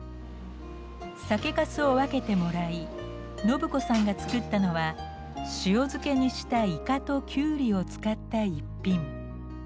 酒かすを分けてもらい伸子さんが作ったのは塩漬けにしたイカときゅうりを使った一品。